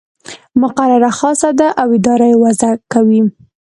مقرره خاصه ده او اداره یې وضع کوي.